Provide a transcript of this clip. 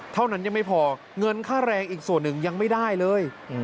เท่านั้นยังไม่พอเงินค่าแรงอีกส่วนหนึ่งยังไม่ได้เลย